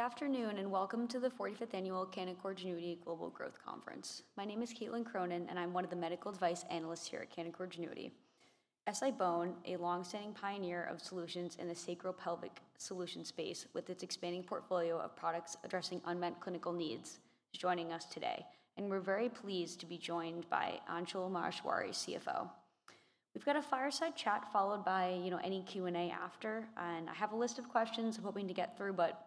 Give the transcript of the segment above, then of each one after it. Good afternoon and welcome to the 45th Annual Canaccord Genuity Global Growth Conference. My name is Caitlin Cronin, and I'm one of the Medical Device Analysts here at Canaccord Genuity. SI-BONE, a longstanding pioneer of solutions in the sacropelvic solution space, with its expanding portfolio of products addressing unmet clinical needs, is joining us today. We're very pleased to be joined by Anshul Maheshwari, CFO. We've got a fireside chat followed by any Q&A after. I have a list of questions I'm hoping to get through, but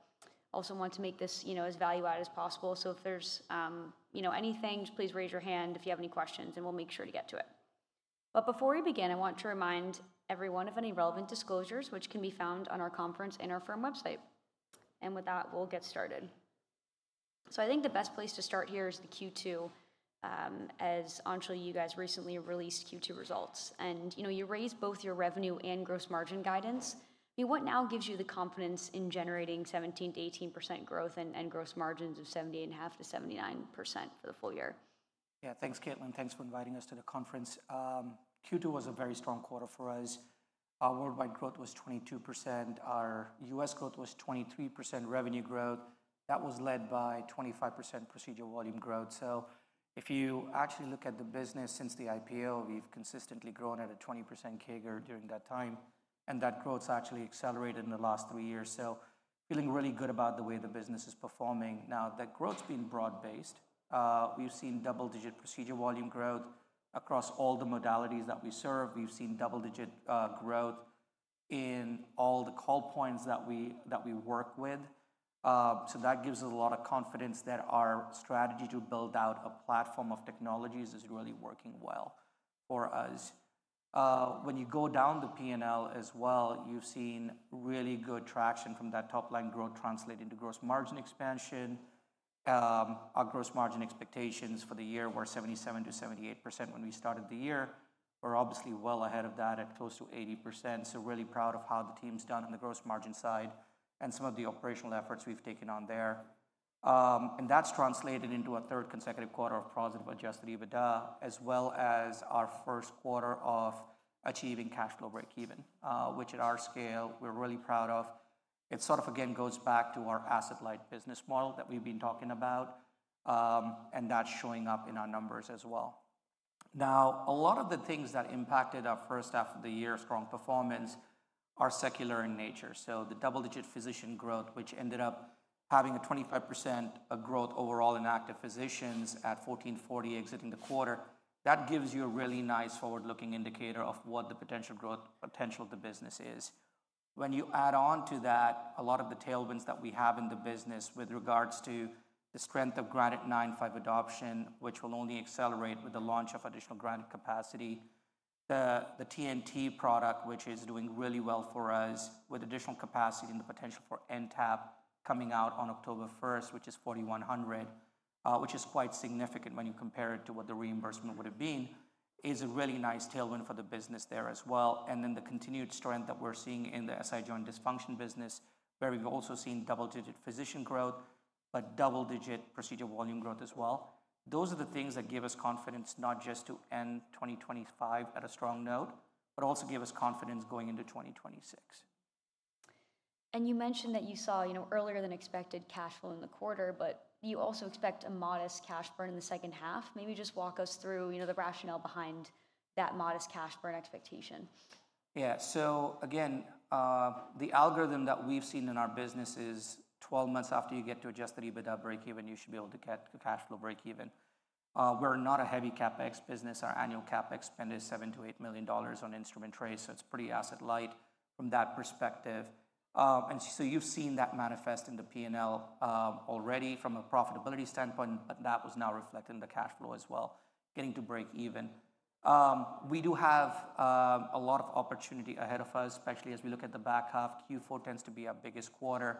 I also want to make this as value-add as possible. If there's anything, please raise your hand if you have any questions, and we'll make sure to get to it. Before we begin, I want to remind everyone of any relevant disclosures, which can be found on our conference and our firm website. With that, we'll get started. I think the best place to start here is the Q2. As Anshul, you guys recently released Q2 results, and you raised both your revenue and gross margin guidance. What now gives you the confidence in generating 17%-18% growth and gross margins of 70.5%-79% for the full year? Yeah, thanks, Caitlin. Thanks for inviting us to the conference. Q2 was a very strong quarter for us. Our worldwide growth was 22%. Our U.S. growth was 23% revenue growth. That was led by 25% procedural volume growth. If you actually look at the business since the IPO, we've consistently grown at a 20% CAGR during that time, and that growth's actually accelerated in the last three years. Feeling really good about the way the business is performing. That growth's been broad-based. We've seen double-digit procedure volume growth across all the modalities that we serve. We've seen double-digit growth in all the call points that we work with. That gives us a lot of confidence that our strategy to build out a platform of technologies is really working well for us. When you go down the P&L as well, you've seen really good traction from that top-line growth translated into gross margin expansion. Our gross margin expectations for the year were 77%-78% when we started the year. We're obviously well ahead of that at close to 80%. Really proud of how the team's done on the gross margin side and some of the operational efforts we've taken on there. That's translated into a third consecutive quarter of positive adjusted EBITDA, as well as our first quarter of achieving cash flow break-even, which at our scale, we're really proud of. It again goes back to our asset-light business model that we've been talking about, and that's showing up in our numbers as well. A lot of the things that impacted our first half of the year's strong performance are secular in nature. The double-digit physician growth, which ended up having a 25% growth overall in active physicians at 1,440, exiting the quarter, gives you a really nice forward-looking indicator of what the potential growth potential of the business is. When you add on to that, a lot of the tailwinds that we have in the business with regards to the strength of Granite 9.5 adoption, which will only accelerate with the launch of additional granite capacity, the TNT product, which is doing really well for us with additional capacity and the potential for NTAP coming out on October 1, which is $4,100, which is quite significant when you compare it to what the reimbursement would have been, is a really nice tailwind for the business there as well. The continued strength that we're seeing in the SI joint dysfunction business, where we've also seen double-digit physician growth, but double-digit procedure volume growth as well, are the things that give us confidence not just to end 2025 at a strong note, but also give us confidence going into 2026. You mentioned that you saw earlier than expected cash flow in the quarter, but you also expect a modest cash burn in the second half. Maybe just walk us through the rationale behind that modest cash burn expectation. Yeah, so again, the algorithm that we've seen in our business is 12 months after you get to adjusted EBITDA break-even, you should be able to get a cash flow break-even. We're not a heavy CapEx business. Our annual CapEx spend is $7 million-$8 million on instrument trades, so it's pretty asset-light from that perspective. You've seen that manifest in the P&L already from a profitability standpoint, but that is now reflected in the cash flow as well, getting to break-even. We do have a lot of opportunity ahead of us, especially as we look at the back half. Q4 tends to be our biggest quarter.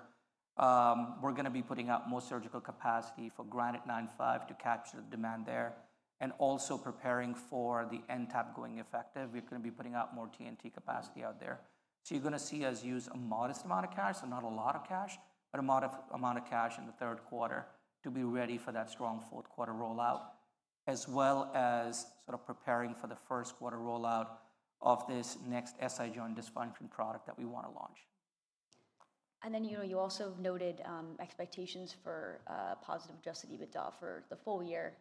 We're going to be putting out more surgical capacity for Granite 9.5 to capture the demand there, and also preparing for the NTAP going effective. We're going to be putting out more TNT capacity out there. You're going to see us use a modest amount of cash, not a lot of cash, but a modest amount of cash in the third quarter to be ready for that strong fourth quarter rollout, as well as sort of preparing for the first quarter rollout of this next SI joint dysfunction product that we want to launch. You also noted expectations for positive adjusted EBITDA for the full year,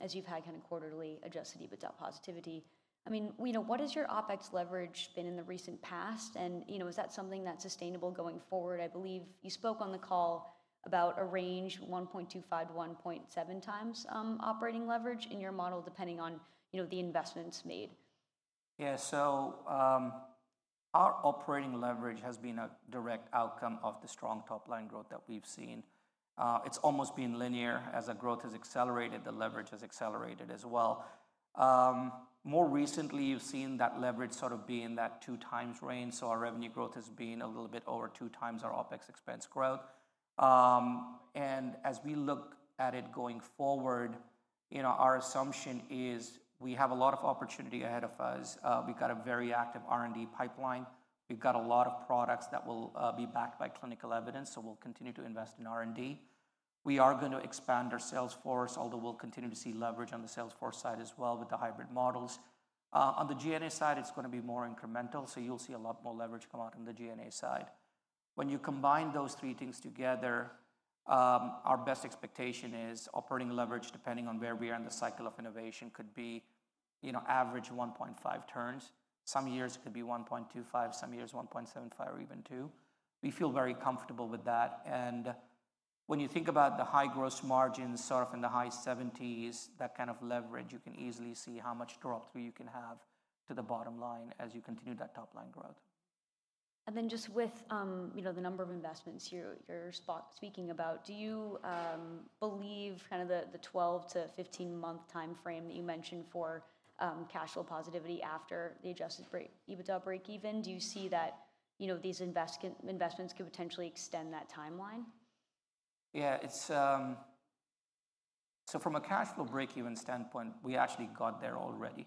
as you've had kind of quarterly adjusted EBITDA positivity. What has your OpEx leverage been in the recent past, and is that something that's sustainable going forward? I believe you spoke on the call about a range 1.25x-1.7x operating leverage in your model, depending on the investments made. Yeah, so our operating leverage has been a direct outcome of the strong top-line growth that we've seen. It's almost been linear. As our growth has accelerated, the leverage has accelerated as well. More recently, you've seen that leverage sort of be in that two times range. Our revenue growth has been a little bit over two times our OpEx expense growth. As we look at it going forward, our assumption is we have a lot of opportunity ahead of us. We've got a very active R&D pipeline. We've got a lot of products that will be backed by clinical evidence, so we'll continue to invest in R&D. We are going to expand our sales force, although we'll continue to see leverage on the sales force side as well with the hybrid models. On the G&A side, it's going to be more incremental, so you'll see a lot more leverage come out on the G&A side. When you combine those three things together, our best expectation is operating leverage, depending on where we are in the cycle of innovation, could be, you know, average 1.5 turns. Some years it could be 1.25, some years 1.75 or even 2. We feel very comfortable with that. When you think about the high gross margins sort of in the high 70s, that kind of leverage, you can easily see how much drop through you can have to the bottom line as you continue that top-line growth. With the number of investments you're speaking about, do you believe the 12-15 month timeframe that you mentioned for cash flow positivity after the adjusted EBITDA break-even could potentially be extended by these investments? Yeah, it's, so from a cash flow break-even standpoint, we actually got there already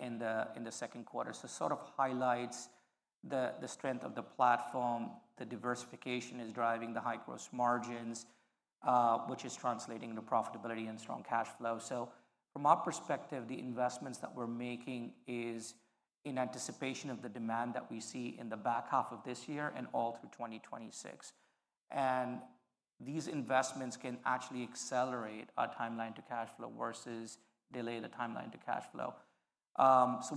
in the second quarter. It sort of highlights the strength of the platform. The diversification is driving the high gross margins, which is translating into profitability and strong cash flow. From our perspective, the investments that we're making are in anticipation of the demand that we see in the back half of this year and all through 2026. These investments can actually accelerate our timeline to cash flow versus delay the timeline to cash flow.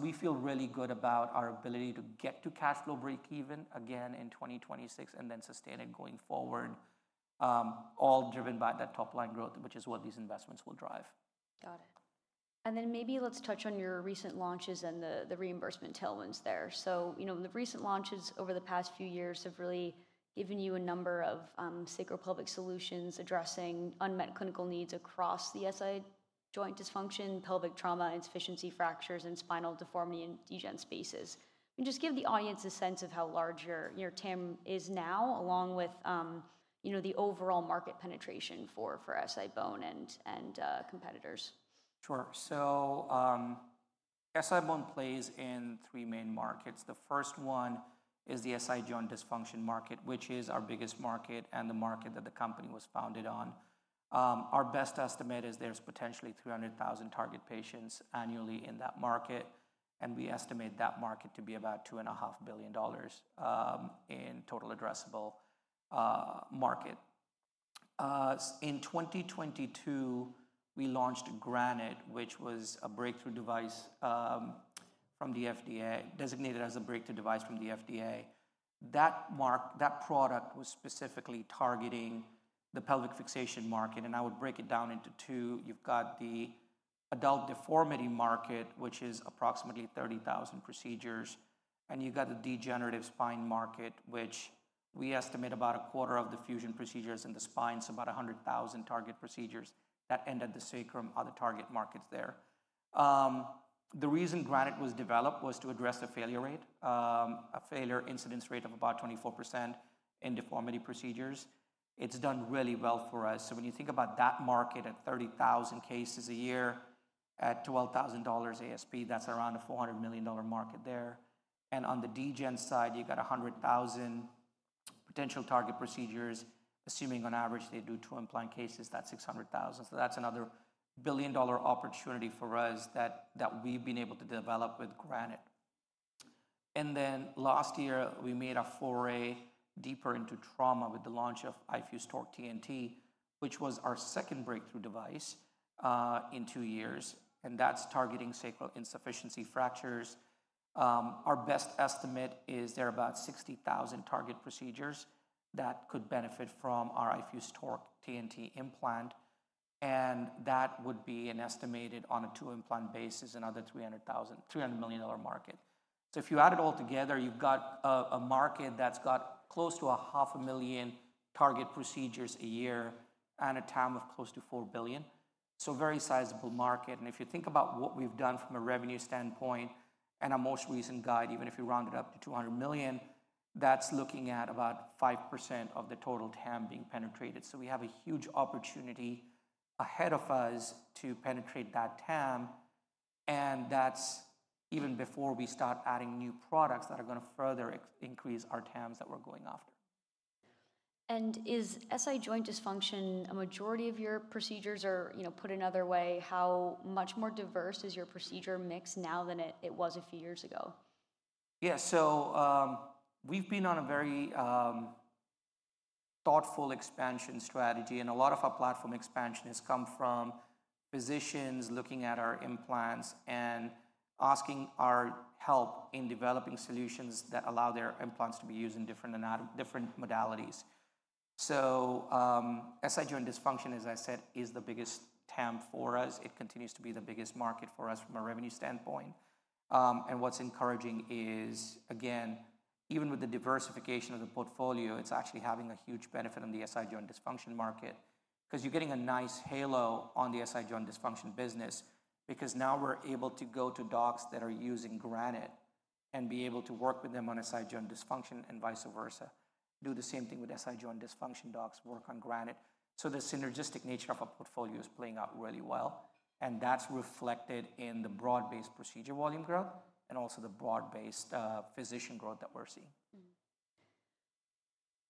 We feel really good about our ability to get to cash flow break-even again in 2026 and then sustain it going forward, all driven by that top-line growth, which is what these investments will drive. Got it. Maybe let's touch on your recent launches and the reimbursement tailwinds there. The recent launches over the past few years have really given you a number of sacral pelvic solutions addressing unmet clinical needs across the SI joint dysfunction, pelvic trauma, insufficiency fractures, and spinal deformity and degen spaces. Just give the audience a sense of how large your TAM is now, along with the overall market penetration for SI-BONE and competitors. Sure. SI-BONE plays in three main markets. The first one is the SI joint dysfunction market, which is our biggest market and the market that the company was founded on. Our best estimate is there's potentially 300,000 target patients annually in that market. We estimate that market to be about $2.5 billion in total addressable market. In 2022, we launched Granite, which was a breakthrough device from the FDA, designated as a breakthrough device from the FDA. That product was specifically targeting the pelvic fixation market. I would break it down into two. You've got the adult deformity market, which is approximately 30,000 procedures. You've got the degenerative spine market, which we estimate about a quarter of the fusion procedures in the spine, so about 100,000 target procedures that end at the sacrum are the target markets there. The reason Granite was developed was to address a failure rate, a failure incidence rate of about 24% in deformity procedures. It's done really well for us. When you think about that market at 30,000 cases a year at $12,000 ASP, that's around a $400 million market there. On the degen side, you've got 100,000 potential target procedures. Assuming on average they do two implant cases, that's 600,000. That's another billion-dollar opportunity for us that we've been able to develop with Granite. Last year, we made a foray deeper into trauma with the launch of iFuse TORQ TNT, which was our second breakthrough device in two years. That's targeting sacral insufficiency fractures. Our best estimate is there are about 60,000 target procedures that could benefit from our iFuse TORQ TNT Implant. That would be an estimated on a two-implant basis, another $300 million market. If you add it all together, you've got a market that's got close to a half a million target procedures a year and a TAM of close to $4 billion. A very sizable market. If you think about what we've done from a revenue standpoint and our most recent guide, even if you round it up to $200 million, that's looking at about 5% of the total TAM being penetrated. We have a huge opportunity ahead of us to penetrate that TAM. That's even before we start adding new products that are going to further increase our TAMs that we're going after. Is SI joint dysfunction a majority of your procedures, or, put another way, how much more diverse is your procedure mix now than it was a few years ago? Yeah, we've been on a very thoughtful expansion strategy, and a lot of our platform expansion has come from physicians looking at our implants and asking our help in developing solutions that allow their implants to be used in different modalities. SI joint dysfunction, as I said, is the biggest TAM for us. It continues to be the biggest market for us from a revenue standpoint. What's encouraging is, even with the diversification of the portfolio, it's actually having a huge benefit on the SI joint dysfunction market because you're getting a nice halo on the SI joint dysfunction business. Now we're able to go to docs that are using Granite and be able to work with them on SI joint dysfunction and vice versa, do the same thing with SI joint dysfunction docs, work on Granite. The synergistic nature of our portfolio is playing out really well. That's reflected in the broad-based procedure volume growth and also the broad-based physician growth that we're seeing.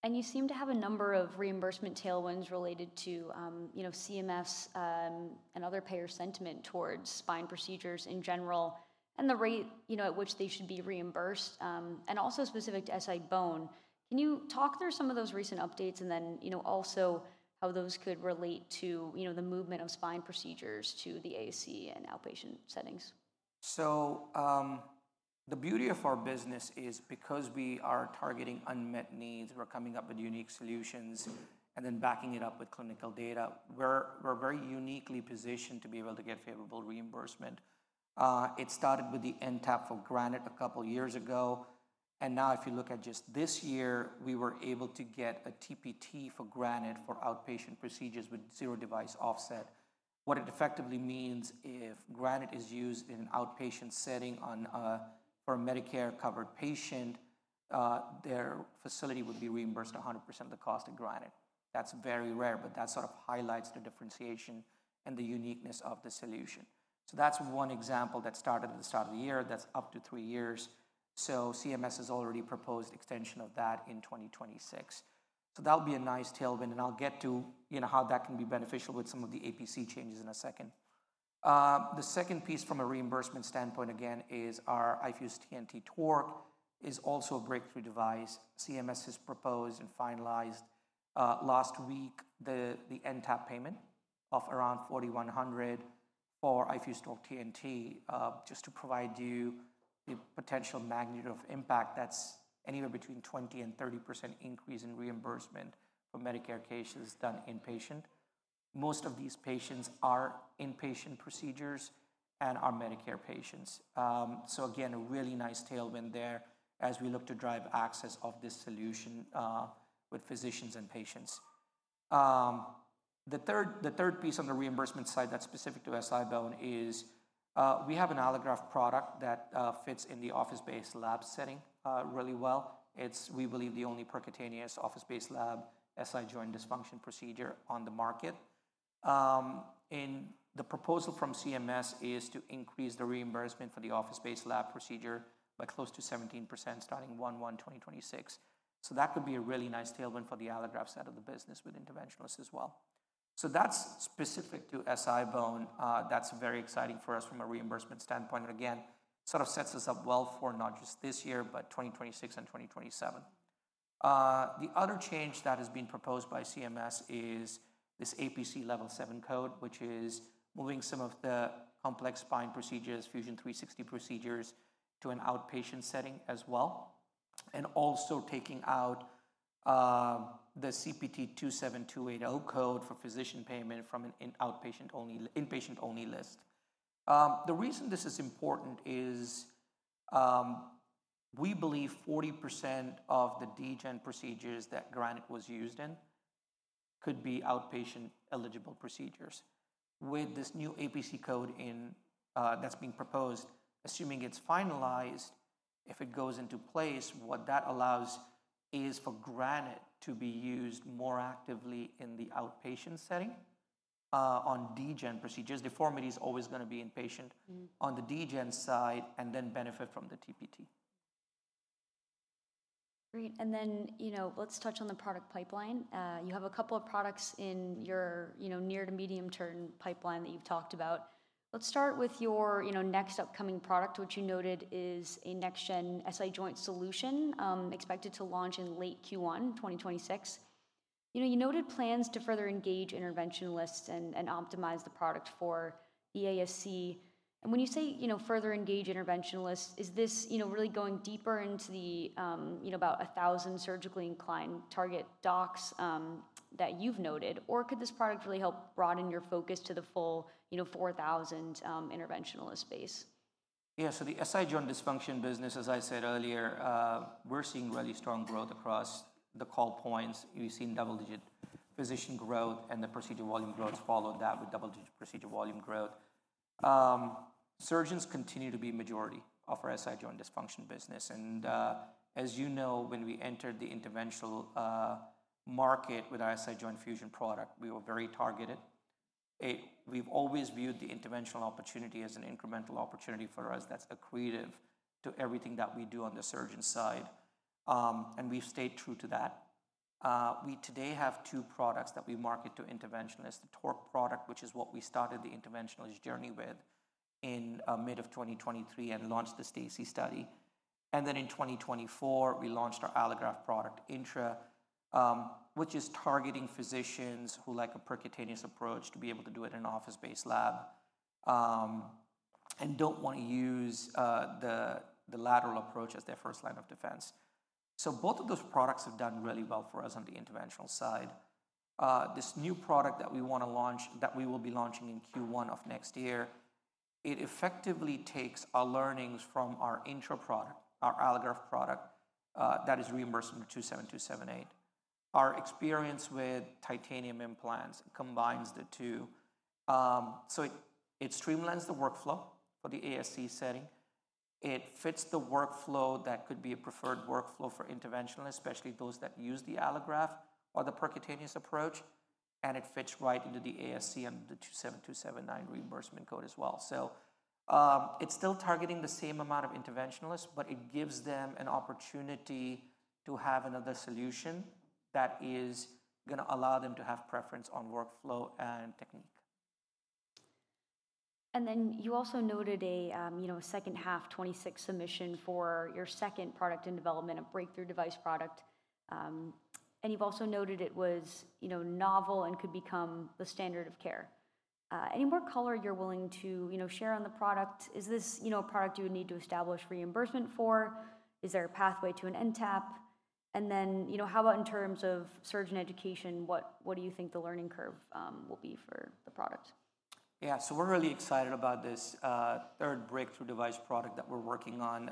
You seem to have a number of reimbursement tailwinds related to, you know, CMS and other payer sentiment towards spine procedures in general and the rate, you know, at which they should be reimbursed and also specific to SI-BONE. Can you talk through some of those recent updates and then, you know, also how those could relate to, you know, the movement of spine procedures to the ASC and outpatient settings? The beauty of our business is because we are targeting unmet needs, we're coming up with unique solutions and then backing it up with clinical data. We're very uniquely positioned to be able to get favorable reimbursement. It started with the NTAP for Granite a couple of years ago. If you look at just this year, we were able to get a TPT for Granite for outpatient procedures with zero device offset. What it effectively means, if Granite is used in an outpatient setting for a Medicare-covered patient, their facility would be reimbursed 100% of the cost of Granite. That's very rare, but that highlights the differentiation and the uniqueness of the solution. That's one example that started at the start of the year that's up to three years. CMS has already proposed extension of that in 2026. That will be a nice tailwind. I'll get to how that can be beneficial with some of the APC changes in a second. The second piece from a reimbursement standpoint is our iFuse TNT TORQ is also a breakthrough device. CMS has proposed and finalized last week the NTAP payment of around $4,100 for iFuse TORQ TNT, just to provide you the potential magnitude of impact. That's anywhere between 20%-30% increase in reimbursement for Medicare cases done inpatient. Most of these patients are inpatient procedures and are Medicare patients. A really nice tailwind there as we look to drive access of this solution with physicians and patients. The third piece on the reimbursement side that's specific to SI-BONE is we have an allograft product that fits in the office-based lab setting really well. It's, we believe, the only percutaneous office-based lab SI joint dysfunction procedure on the market. The proposal from CMS is to increase the reimbursement for the office-based lab procedure by close to 17% starting 1/1/2026. That could be a really nice tailwind for the allograft side of the business with interventionalists as well. That's specific to SI-BONE. That's very exciting for us from a reimbursement standpoint and sets us up well for not just this year, but 2026 and 2027. The other change that has been proposed by CMS is this APC Level 7 code, which is moving some of the complex spine procedures, Fusion 360 procedures to an outpatient setting as well, and also taking out the CPT 27280 code for physician payment from an inpatient-only list. The reason this is important is we believe 40% of the degen procedures that Granite was used in could be outpatient eligible procedures. With this new APC code that's being proposed, assuming it's finalized, if it goes into place, what that allows is for Granite to be used more actively in the outpatient setting on degen procedures. Deformity is always going to be inpatient on the degen side and then benefit from the TPT. Great. Let's touch on the product pipeline. You have a couple of products in your near to medium-term pipeline that you've talked about. Let's start with your next upcoming product, which you noted is a next-gen SI joint solution expected to launch in late Q1 2026. You noted plans to further engage interventionalists and optimize the product for EASC. When you say further engage interventionalists, is this really going deeper into the about 1,000 surgically inclined target docs that you've noted, or could this product really help broaden your focus to the full 4,000 interventionalist base? Yeah, so the SI joint dysfunction business, as I said earlier, we're seeing really strong growth across the call points. We've seen double-digit physician growth and the procedure volume growth followed that with double-digit procedure volume growth. Surgeons continue to be a majority of our SI joint dysfunction business. As you know, when we entered the interventional market with our SI joint fusion product, we were very targeted. We've always viewed the interventional opportunity as an incremental opportunity for us that's accretive to everything that we do on the surgeon side. We've stayed true to that. We today have two products that we market to interventionalists, the TORQ product, which is what we started the interventionalist journey with in mid-2023 and launched the STACI study. In 2024, we launched our allograft product, INTRA, which is targeting physicians who like a percutaneous approach to be able to do it in an office-based lab and don't want to use the lateral approach as their first line of defense. Both of those products have done really well for us on the interventional side. This new product that we want to launch, that we will be launching in Q1 of next year, effectively takes our learnings from our INTRA product, our allograft product that is reimbursed in 27278. Our experience with titanium implants combines the two. It streamlines the workflow for the ASC setting. It fits the workflow that could be a preferred workflow for interventionalists, especially those that use the allograft or the percutaneous approach. It fits right into the ASC and the 27279 reimbursement code as well. It's still targeting the same amount of interventionalists, but it gives them an opportunity to have another solution that is going to allow them to have preference on workflow and technique. You also noted a second half 2026 submission for your second product in development, a breakthrough device product. You also noted it was novel and could become the standard of care. Any more color you're willing to share on the product? Is this a product you would need to establish reimbursement for? Is there a pathway to an NTAP? How about in terms of surgeon education? What do you think the learning curve will be for the product? Yeah, so we're really excited about this third breakthrough device product that we're working on.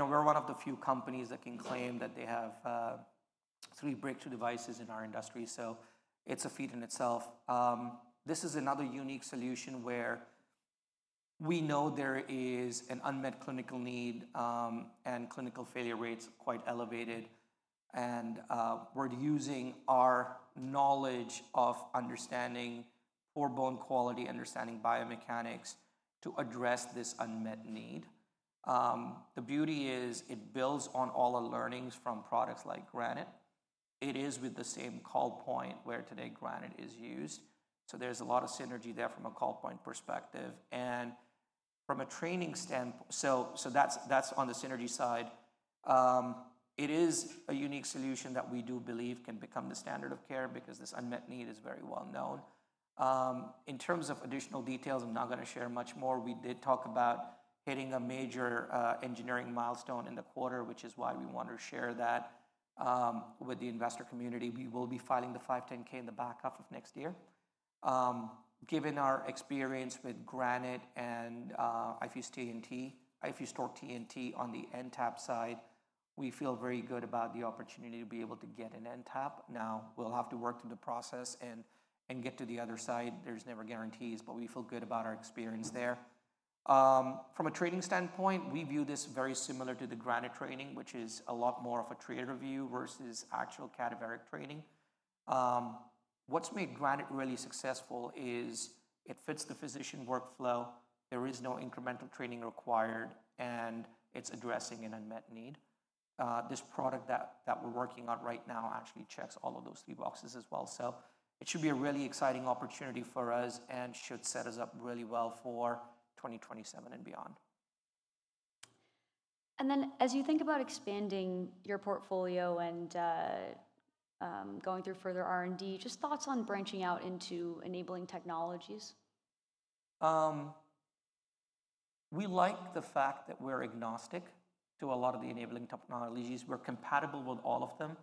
We're one of the few companies that can claim that they have three breakthrough devices in our industry. It’s a feat in itself. This is another unique solution where we know there is an unmet clinical need and clinical failure rates are quite elevated. We're using our knowledge of understanding bone quality, understanding biomechanics to address this unmet need. The beauty is it builds on all our learnings from products like Granite. It is with the same call point where today Granite is used. There’s a lot of synergy there from a call point perspective and from a training standpoint, so that's on the synergy side. It is a unique solution that we do believe can become the standard of care because this unmet need is very well known. In terms of additional details, I'm not going to share much more. We did talk about hitting a major engineering milestone in the quarter, which is why we want to share that with the investor community. We will be filing the 510(k) in the back half of next year. Given our experience with Granite and iFuse TORQ TNT on the NTAP side, we feel very good about the opportunity to be able to get an NTAP. Now, we'll have to work through the process and get to the other side. There's never guarantees, but we feel good about our experience there. From a training standpoint, we view this very similar to the Granite training, which is a lot more of a trainer view versus actual cadaveric training. What's made Granite really successful is it fits the physician workflow. There is no incremental training required, and it's addressing an unmet need. This product that we're working on right now actually checks all of those three boxes as well. It should be a really exciting opportunity for us and should set us up really well for 2027 and beyond. As you think about expanding your portfolio and going through further R&D, just thoughts on branching out into enabling technologies? We like the fact that we're agnostic to a lot of the enabling technologies. We're compatible with all of them.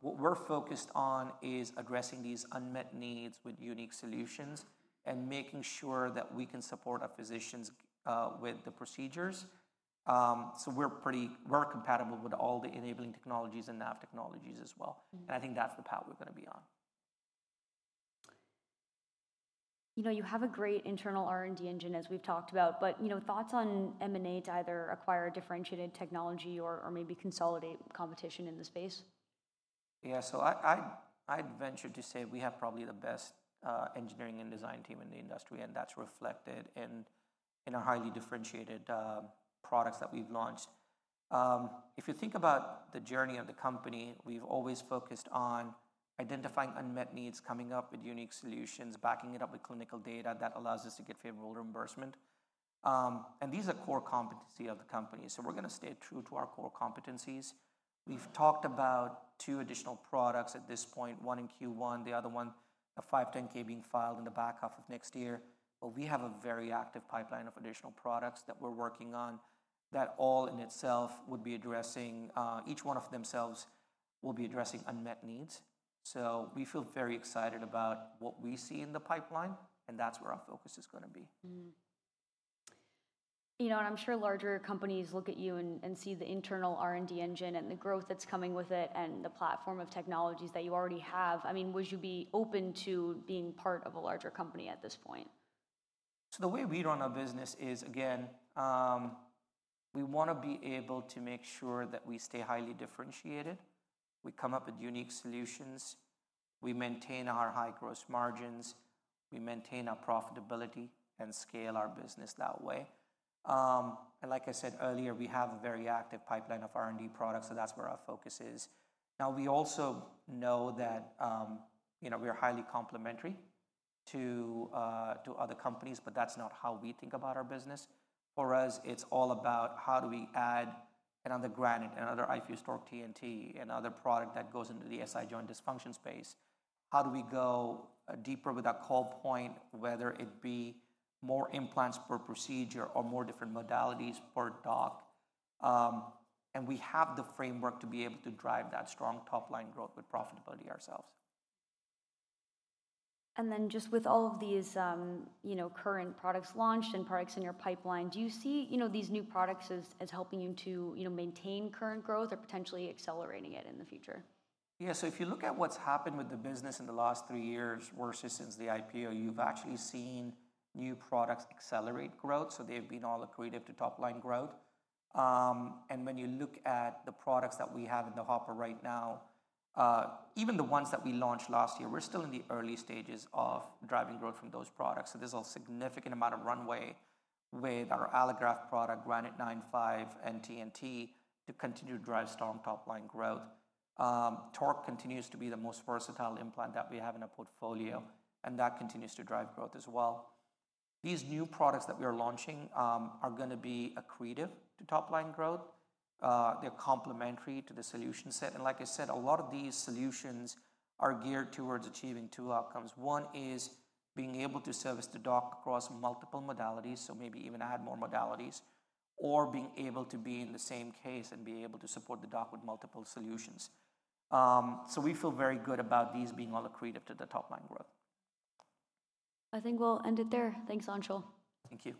What we're focused on is addressing these unmet needs with unique solutions and making sure that we can support our physicians with the procedures. We're compatible with all the enabling technologies and NAV technologies as well. I think that's the path we're going to be on. You have a great internal R&D engine, as we've talked about, but thoughts on M&A to either acquire a differentiated technology or maybe consolidate competition in the space? Yeah, I'd venture to say we have probably the best engineering and design team in the industry, and that's reflected in our highly differentiated products that we've launched. If you think about the journey of the company, we've always focused on identifying unmet needs, coming up with unique solutions, backing it up with clinical data that allows us to get favorable reimbursement. These are core competencies of the company. We're going to stay true to our core competencies. We've talked about two additional products at this point, one in Q1, the other one, a 510(k) being filed in the back half of next year. We have a very active pipeline of additional products that we're working on that all in itself would be addressing, each one of themselves will be addressing unmet needs. We feel very excited about what we see in the pipeline, and that's where our focus is going to be. You know, I'm sure larger companies look at you and see the internal R&D engine and the growth that's coming with it, and the platform of technologies that you already have. I mean, would you be open to being part of a larger company at this point? The way we run our business is, again, we want to be able to make sure that we stay highly differentiated. We come up with unique solutions, maintain our high gross margins, maintain our profitability, and scale our business that way. Like I said earlier, we have a very active pipeline of R&D products, so that's where our focus is. We also know that we are highly complementary to other companies, but that's not how we think about our business. For us, it's all about how do we add another Granite, another iFuse TORQ TNT, another product that goes into the SI joint dysfunction space. How do we go deeper with our call points, whether it be more implants per procedure or more different modalities per doc? We have the framework to be able to drive that strong top-line growth with profitability ourselves. With all of these current products launched and products in your pipeline, do you see these new products as helping you to maintain current growth or potentially accelerating it in the future? Yeah, if you look at what's happened with the business in the last three years versus since the IPO, you've actually seen new products accelerate growth. They've been all accretive to top-line growth. When you look at the products that we have in the hopper right now, even the ones that we launched last year, we're still in the early stages of driving growth from those products. There's a significant amount of runway with our allograft product, Granite 9.5, and TNT to continue to drive strong top-line growth. TORQ continues to be the most versatile implant that we have in our portfolio, and that continues to drive growth as well. These new products that we are launching are going to be accretive to top-line growth. They're complementary to the solution set. Like I said, a lot of these solutions are geared towards achieving two outcomes. One is being able to service the doc across multiple modalities, maybe even add more modalities, or being able to be in the same case and be able to support the doc with multiple solutions. We feel very good about these being all accretive to the top-line growth. I think we'll end it there. Thanks, Anshul. Thank you.